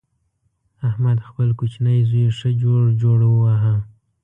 احمد خپل کوچنۍ زوی ښه جوړ جوړ وواهه.